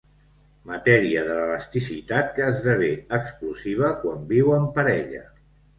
Matèria de l'elasticitat que esdevé explosiva quan viu en parella.